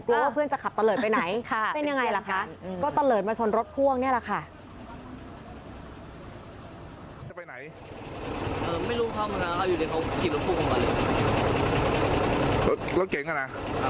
ว่าเพื่อนจะขับตะเลิศไปไหนเป็นยังไงล่ะคะก็ตะเลิศมาชนรถพ่วงนี่แหละค่ะ